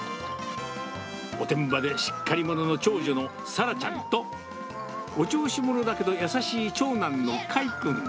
おてんばでしっかり者の長女の咲羅ちゃんと、お調子者だけど、優しい長男の海君。